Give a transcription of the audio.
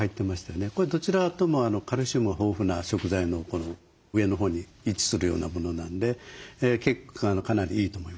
これどちらともカルシウムが豊富な食材の上のほうに位置するようなものなんでかなりいいと思いますね。